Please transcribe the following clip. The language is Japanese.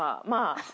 まあ。